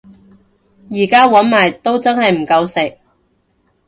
而家搵埋都真係唔夠食